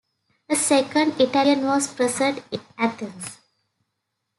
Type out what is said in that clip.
A second Italian was present in Athens.